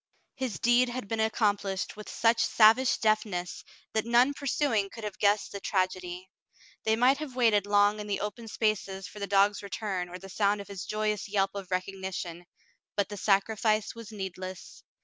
His deed had been accomplished with such savage deftness that none pursuing could have guessed the trag edy. They might have waited long in the open spaces for the dog's return or the sound of his joyous yelp of recog nition, but the sacrifice was needless.